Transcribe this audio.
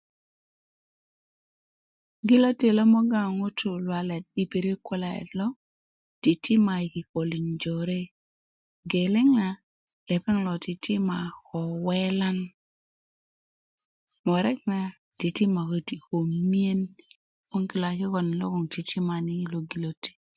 gilöti lo moga ŋutu luwalet lo i pirit kulayet lo titima i kikölin jore geleŋ na lepeŋ lo titima ko welan murek na titima köti ko miyen 'boŋ kilo a kikölin lo titimani i lo gilöti